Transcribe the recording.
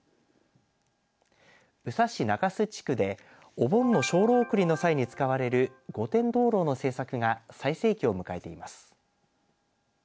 宇佐市長洲地区でお盆の精霊送りの際に使われる御殿灯ろうの製作が最盛期を迎えています。